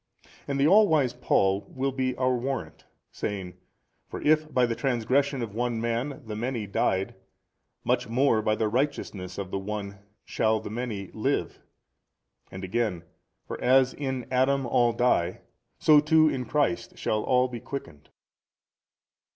And the all wise Paul will be our warrant, saying, For if by the transgression of one man the many died, much more by the righteousness of the One shall the many live, and again, For as in Adam all die so too in Christ shall all be quickened.